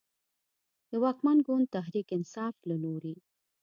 د واکمن ګوند تحریک انصاف له لورې